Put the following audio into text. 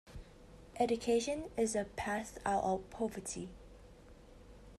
Education is a path out of poverty.